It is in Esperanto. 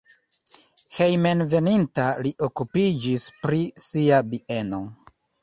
Hejmenveninta li okupiĝis pri sia bieno.